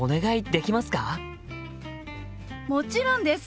もちろんです！